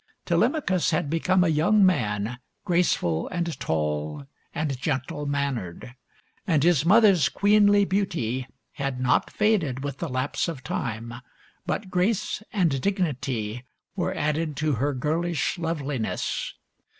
Telemachus had become a young man, graceful and tall and gentle mannered ; and his mother's queenly beauty had not faded with the lapse of time, but grace and dignity were added to her girlish loveliness.